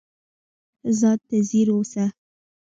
ځان ته ځیر اوسه